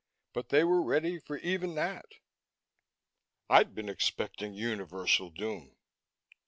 But they were ready for even that. I'd been expecting universal doom.